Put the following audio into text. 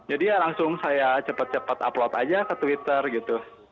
jadi ya langsung saya cepat cepat upload aja ke twitter gitu